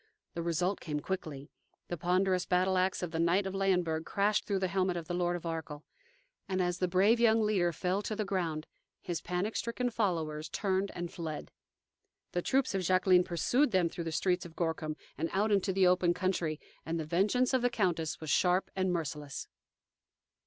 The result came quickly. The ponderous battle axe of the knight of Leyenburg crashed through the helmet of the Lord of Arkell, and as the brave young leader fell to the ground, his panic stricken followers turned and fled. The troops of Jacqueline pursued them through the streets of Gorkum and out into the open country, and the vengeance of the countess was sharp and merciless.